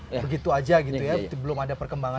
begitu aja gitu ya belum ada perkembangan